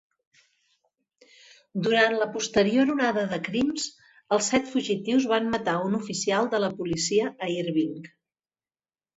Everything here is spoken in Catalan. Durant la posterior onada de crims, els set fugitius van matar un oficial de la policia a Irving.